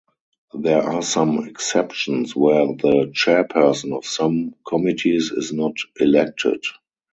There are some exceptions where the chairperson of some committees is not elected.